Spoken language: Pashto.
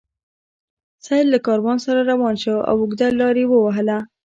سید له کاروان سره روان شو او اوږده لار یې ووهله.